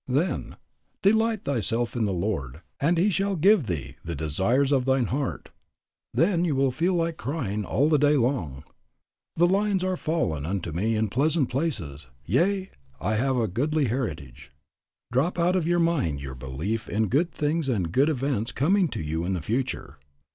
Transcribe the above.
Then "delight thyself in the Lord, and He shall give thee the desires of thine heart." Then will you feel like crying all the day long, "The lines are fallen unto me in pleasant places; yea, I have a goodly heritage." Drop out of mind your belief in good things and good events coming to you in the future.